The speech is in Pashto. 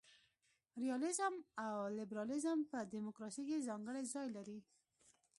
ریالیزم او لیبرالیزم په دموکراسي کي ځانګړی ځای لري.